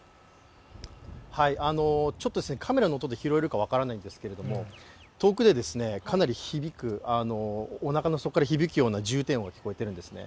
ちょっとカメラの音で拾えるか分からないんですけども、遠くで、かなり響く、おなかの底から響くような重低音が聞こえているんですね。